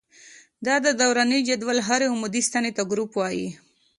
د دوراني جدول هرې عمودي ستنې ته ګروپ وايي.